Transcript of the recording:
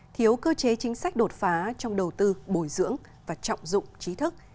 thiếu cơ chế chính sách đột phá trong đầu tư bồi dưỡng và trọng dụng trí thức